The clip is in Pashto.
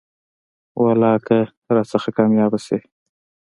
والله که رانه کاميابه شې.